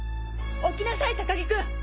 起きなさい高木君！